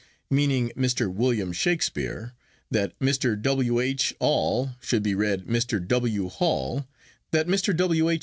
meaning Mr. William Shakespeare; that "Mr. W. H. all" should be read "Mr. W. Hall"; that Mr. W. H.